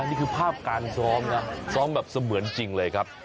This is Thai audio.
นี่คือภาพการซ้อมนะซ้อมแบบเสมือนจริงเลยครับ